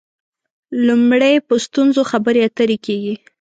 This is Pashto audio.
لومړی په ستونزو خبرې اترې کېږي.